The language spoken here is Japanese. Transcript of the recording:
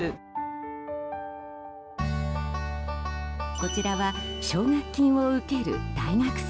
こちらは奨学金を受ける大学生。